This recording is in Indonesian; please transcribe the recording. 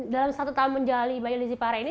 dalam satu tahun menjuali bayi lizzy parra ini